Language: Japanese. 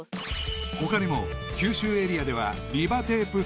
［他にも九州エリアではリバテープ勢力］